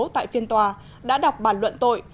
tại phiên tòa đã đọc bản luận tội